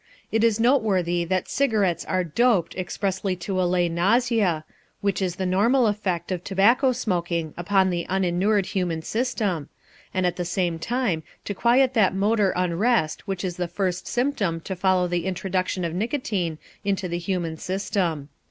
It is noteworthy that cigarettes are "doped" expressly to allay nausea, which is the normal effect of tobacco smoking upon the uninured human system, and at the same time to quiet that motor unrest which is the first symptom to follow the introduction of nicotine into the human system.